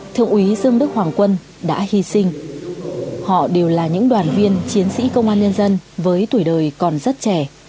thượng úy dương đức hoàng quân đã hy sinh họ đều là những đoàn viên chiến sĩ công an nhân dân với tuổi đời còn rất trẻ